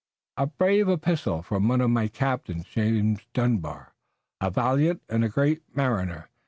"A brave epistle from one of my captains, James Dunbar, a valiant man and a great mariner.